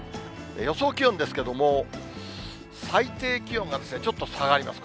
予想気温ですけれども、最低気温がちょっと下がります。